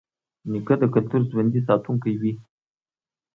نیکه د کلتور ژوندي ساتونکی وي.